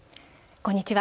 こんにちは。